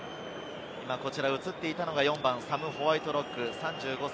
映っていたのは４番サム・ホワイトロック、３５歳。